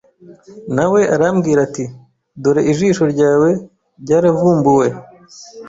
Na we arambwira ati Dore ijisho ryawe ryaravumbuwe